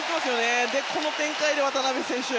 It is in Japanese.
そして、この展開で渡邊選手が。